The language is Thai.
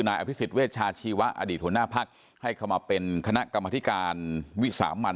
นายอภิษฎเวชาชีวะอดีตหัวหน้าพักให้เข้ามาเป็นคณะกรรมธิการวิสามัน